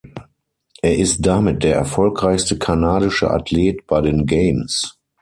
Er ist damit der erfolgreichste kanadische Athlet bei den Games.